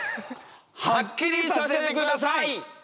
はっきりさせてください！